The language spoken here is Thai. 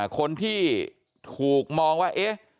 คนที่ถูกมองว่าเอ๊ะ